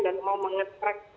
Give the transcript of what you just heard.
dan mau mengetrack